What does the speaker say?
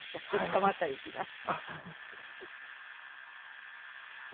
コマーシャルいきます。